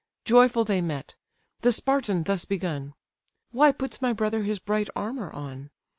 Joyful they met; the Spartan thus begun: "Why puts my brother his bright armour on?